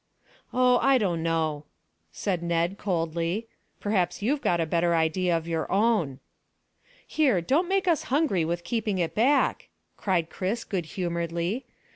"Oh, I don't know," said Ned coldly. "Perhaps you've got a better idea of your own." "Here, don't make us hungry with keeping it back," cried Chris good humouredly.